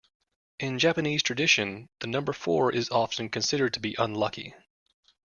In Japanese tradition, the number four is often considered to be unlucky